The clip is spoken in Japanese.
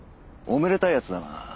おめでたいヤツだな。